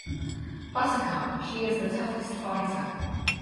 Buttercup, she is the toughest fighter.